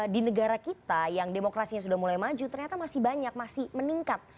di negara kita yang demokrasinya sudah mulai maju ternyata masih banyak masih meningkat